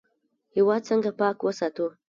هیواد څنګه پاک وساتو؟